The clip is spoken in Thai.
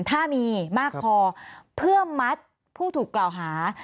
ถ้ามีมากพอเพื่อมัดผู้ถูกกล่าวหา